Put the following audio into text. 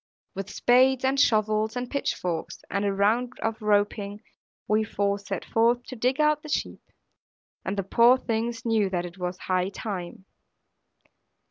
With spades, and shovels, and pitch forks, and a round of roping, we four set forth to dig out the sheep; and the poor things knew that it was high time.